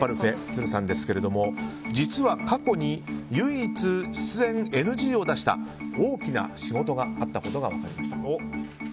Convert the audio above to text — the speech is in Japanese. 都留さんですけれども実は過去に唯一出演ＮＧを出した大きな仕事があったことが分かりました。